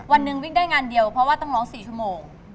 วันหนึ่งวิ่งได้งานเดียวเพราะว่าต้องร้อง๔ชั่วโมง